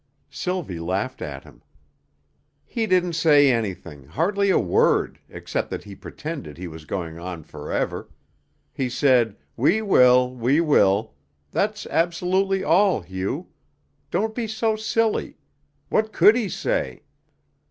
Sylvie laughed at him. "He didn't say anything hardly a word, except that he pretended he was going on forever. He said: 'We will, we will.' That's absolutely all, Hugh. Don't be so silly. What could he say?"